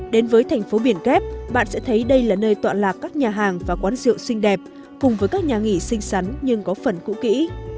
đến với thành phố biển kép bạn sẽ thấy đây là nơi tọa lạc các nhà hàng và quán rượu xinh đẹp cùng với các nhà nghỉ xinh xắn nhưng có phần cũ kỹ